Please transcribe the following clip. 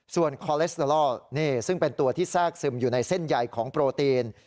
ส่วนคอเลสเตอลอลซึ่งเป็นตัวที่แทรกซึมอยู่ในเส้นใยของโปรตีน